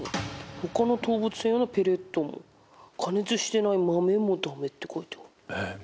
他の動物用のペレットも加熱してない豆もダメって書いてあるえっ